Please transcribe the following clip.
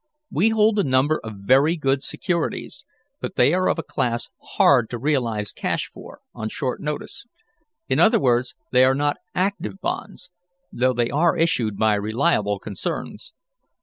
We hold a number of very good securities, but they are of a class hard to realize cash for, on short notice. In other words they are not active bonds, though they are issued by reliable concerns.